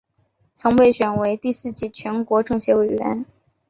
曾被选为第四届全国政协委员。